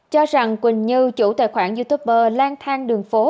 cho rằng quỳnh như chủ tài khoản youtuber lang thang đường phố